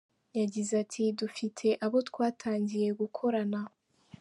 Yagize ati “Dufite abo twatangiye gukorana.